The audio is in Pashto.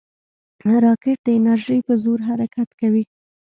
راکټ د انرژۍ په زور حرکت کوي